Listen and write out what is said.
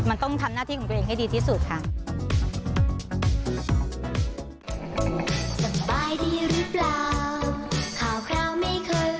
มันต้องทำหน้าที่ของตัวเองให้ดีที่สุดค่ะ